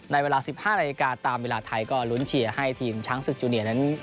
เวลา๑๕นาฬิกาตามเวลาไทยก็ลุ้นเชียร์ให้ทีมช้างศึกจูเนียนั้น